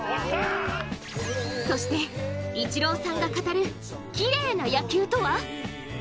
そして、イチローさんが語るきれいな野球とは？